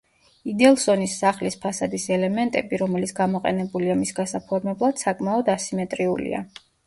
იდელსონის სახლის ფასადის ელემენტები, რომელიც გამოყენებულია მის გასაფორმებლად საკმად ასიმეტრიულია.